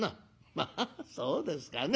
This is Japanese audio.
「まあそうですかね。